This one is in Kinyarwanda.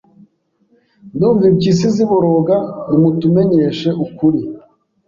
Ndumva impyisi ziboroga nimutumenyeshe ukuri